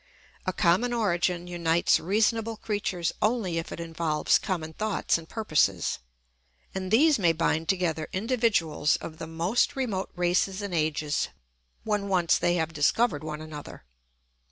A common origin unites reasonable creatures only if it involves common thoughts and purposes; and these may bind together individuals of the most remote races and ages, when once they have discovered one another.